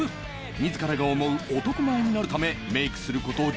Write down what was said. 自らが思う男前になるためメイクする事１５分